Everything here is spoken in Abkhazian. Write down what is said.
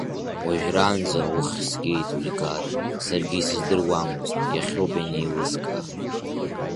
Уажәраанӡа, уххь згеит Улигат, саргьы исыздыруамызт, иахьоуп ианеилыскаа.